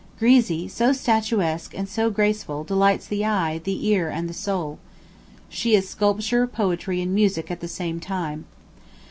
Grisi, so statuesque and so graceful, delights the eye, the ear, and the soul. She is sculpture, poetry, and music at the same time.